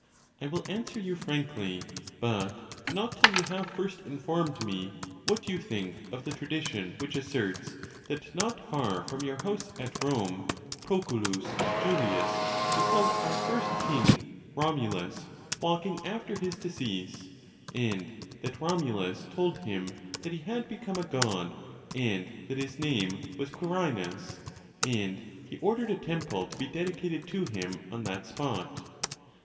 —I will answer you frankly ; but not till you have first informed me what you think of the tradition which asserts, that not far from your house at Rome, Proculus Julius beheld our first king Romulus walking after his decease, and that Romulus told him that he had become a god, and that his name was Quirinus ; and he ordered a temple to be dedicated to him on that spot.